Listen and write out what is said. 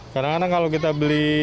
kadang kadang kalau kita beli